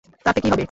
তাতে কী হবে?